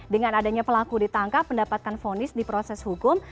dengan adanya pelaku ditangkap pendapatkan vonis di proses hukum